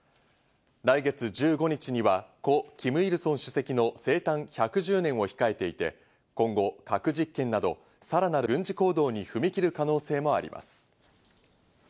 来月１５日には故キム・イルソン主席の生誕１１０周年を控えていて、今後、核実験などさらなる軍事行動に踏み切る可能性もあります。